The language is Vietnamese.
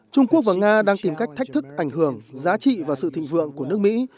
trung quốc và nga đang tìm cách thách thức ảnh hưởng giá trị và sự thịnh vượng của nước mỹ